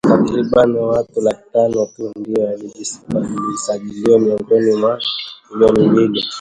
Takriban watu laki tano tu ndio waliosajiliwa miongoni mwa milioni mbili